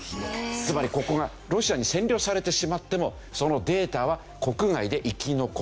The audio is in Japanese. つまりここがロシアに占領されてしまってもそのデータは国外で生き残る。